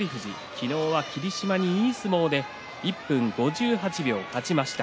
昨日は霧島にいい相撲で１分５８秒、勝ちました。